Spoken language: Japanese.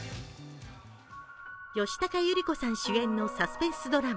吉高由里子さん主演のサスペンスドラマ